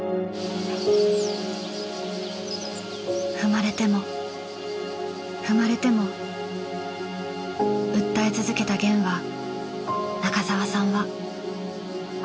踏まれても踏まれても訴え続けた『ゲン』は中沢さんは問いかけています。